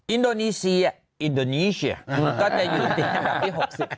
อินโดนีเซียอินโดนีเชียก็จะอยู่ติดอันดับที่๖๑